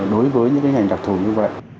đối với những cái ngành đặc thù như vậy